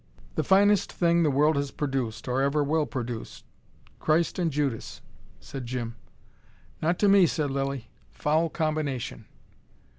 "The finest thing the world has produced, or ever will produce Christ and Judas " said Jim. "Not to me," said Lilly. "Foul combination."